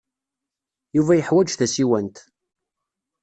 Yuba yeḥwaj tasiwant.